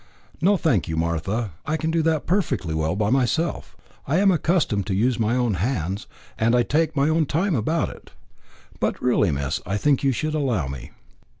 "No, thank you, Martha; I can do that perfectly well myself. I am accustomed to use my own hands, and I can take my own time about it." "But really, miss, I think you should allow me."